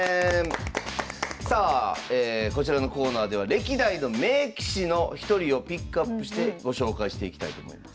さあこちらのコーナーでは歴代の名棋士の１人をピックアップしてご紹介していきたいと思います。